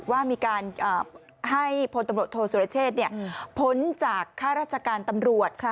ว่ามีการให้พลตำรวจโทษสุรเชษพ้นจากข้าราชการตำรวจ